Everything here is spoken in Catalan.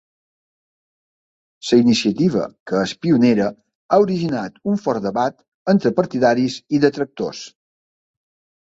La iniciativa, que és pionera, ha originat un fort debat entre partidaris i detractors.